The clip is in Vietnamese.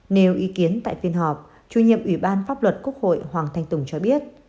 nêu ý kiến tại phiên họp chủ nhiệm ủy ban pháp luật quốc hội hoàng thanh tùng cho biết